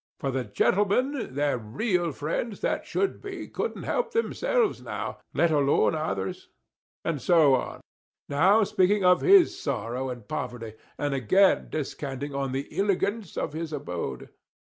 for the gintlemin, their raal frinds, that should be, couldn't help thimselves now, let alone others" and so on, now speaking of his sorrow and poverty, and again descanting on the "illigance" of his abode.